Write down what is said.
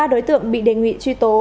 ba đối tượng bị đề nghị truy tố